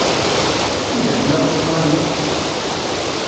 Anda tella Ustṛalya?